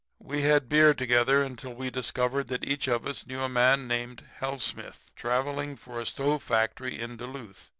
We had beer together until we discovered that each of us knew a man named Hellsmith, traveling for a stove factory in Duluth.